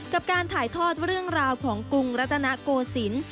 กับการถ่ายทอดเรื่องราวของกรุงรัตนโกศิลป์